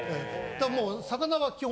だからもう。